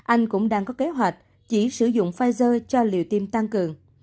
anh cũng đang có kế hoạch chỉ sử dụng pfizer cho liều tiêm tăng cường